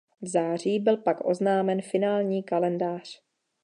V září byl pak oznámen finální kalendář.